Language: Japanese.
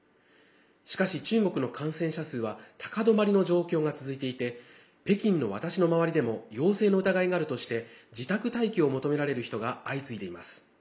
しかし、中国の感染者数は高止まりの状況が続いていて北京の私の周りでも陽性の疑いがあるとして自宅待機を求められる人が相次いでいます。